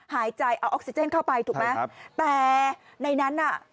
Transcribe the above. หายใจเอาออกซิเจนเข้าไปถูกไหมครับแต่ในนั้นน่ะ